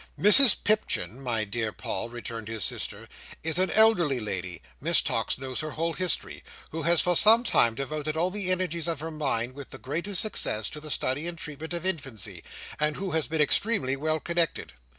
"Mrs Pipchin, my dear Paul," returned his sister, "is an elderly lady—Miss Tox knows her whole history—who has for some time devoted all the energies of her mind, with the greatest success, to the study and treatment of infancy, and who has been extremely well connected.